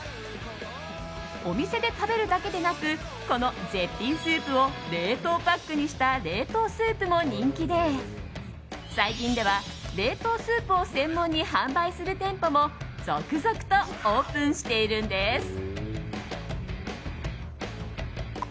お店で食べるだけでなくこの絶品スープを冷凍パックにした冷凍スープも人気で最近では、冷凍スープを専門に販売する店舗も続々とオープンしているんです。